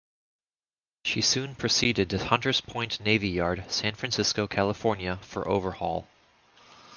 She soon proceeded to Hunter's Point Navy Yard, San Francisco, Calif., for overhaul.